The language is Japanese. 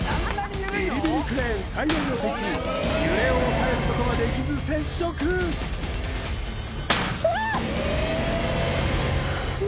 ビリビリクレーン最大の敵揺れを抑えることができず接触うわっ！